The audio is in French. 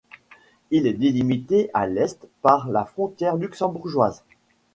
Il est délimité à l’est par la frontière luxembourgeoise.